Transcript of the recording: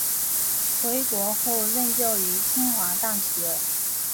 回国后任教于清华大学。